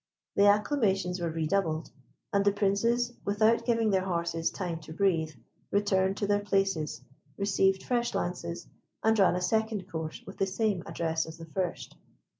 The acclamations were redoubled, and the Princes, without giving their horses time to breathe, returned to their places, received fresh lances, and ran a second course with the same address as the first.